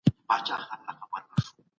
مرخیړي هم دا ویټامن لري.